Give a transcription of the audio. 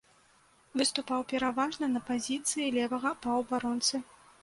Выступаў пераважна на пазіцыі левага паўабаронцы.